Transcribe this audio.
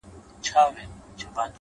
دا خو رښتيا خبره،